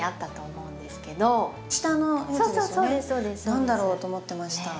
「何だろう？」と思ってました。